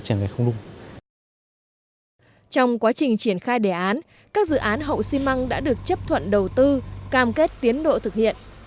chính từ những yếu tố thuận lợi này các dự án hậu xi măng đã được chấp thuận đầu tư cam kết tiến độ thực hiện